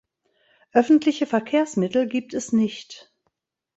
Öffentliche Verkehrsmittel gibt es nicht.